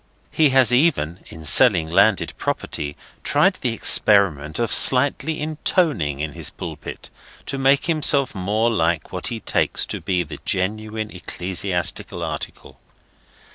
He has even (in selling landed property) tried the experiment of slightly intoning in his pulpit, to make himself more like what he takes to be the genuine ecclesiastical article.